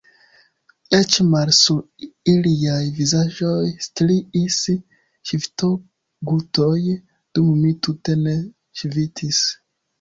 Eĉ male – sur iliaj vizaĝoj striis ŝvito-gutoj, dum mi tute ne ŝvitis.